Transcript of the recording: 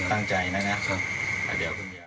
ตั้งใจนะครับ